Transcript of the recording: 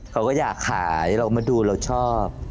เขาก็อยากขายเรามาดูเราชอบ